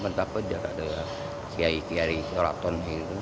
mentah pada siayi kiari sioraton